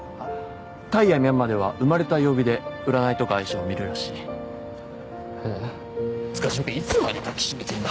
タイやミャンマーでは生まれた曜日で占いとか相性見るらしいへえーつうか純平いつまで抱きしめてんだ